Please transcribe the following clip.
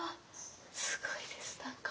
すごいです何か。